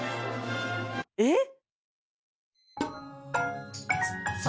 えっ？